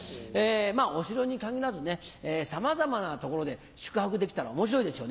お城に限らずさまざまな所で宿泊できたら面白いですよね。